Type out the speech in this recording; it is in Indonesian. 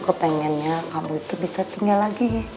kepengennya kamu bisa tinggal lagi